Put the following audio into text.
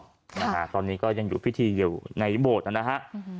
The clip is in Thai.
นะฮะตอนนี้ก็ยังอยู่พิธีอยู่ในโบสถ์นะฮะอืม